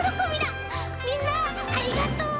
みんなありがとう！